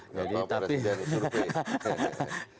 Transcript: nggak apa apa presiden survei